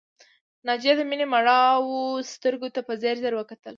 ناجیه د مينې مړاوو سترګو ته په ځير ځير وکتل